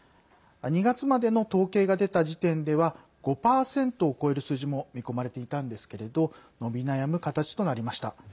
２月までの統計が出た時点では５％を超える数字も見込まれていたんですけれど伸び悩む形となりました。